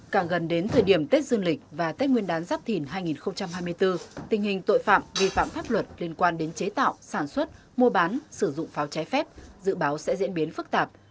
càng gần đến thời điểm tết dương lịch và tết nguyên đán giáp thìn hai nghìn hai mươi bốn tình hình tội phạm vi phạm pháp luật liên quan đến chế tạo sản xuất mua bán sử dụng pháo trái phép dự báo sẽ diễn biến phức tạp